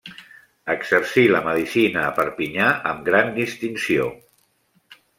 Exercí la medicina a Perpinyà amb gran distinció.